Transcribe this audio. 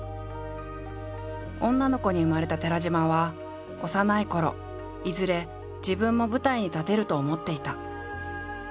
女の子に生まれた寺島は幼いころいずれ自分も舞台に立てると思っていた。